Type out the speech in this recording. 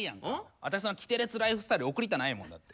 あたしそんなキテレツライフスタイル送りたないもんだって。